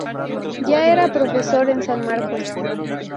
Ya era profesor en San Marcos.